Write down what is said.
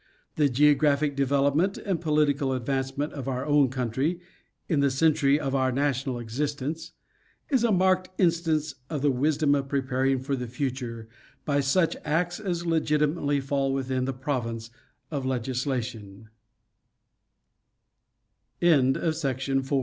The geographic development and political advancement of our own country in the century of our national existence, is a marked instance of the wisdom of pre paring for the future by such acts as legitimately fall within the province of legisla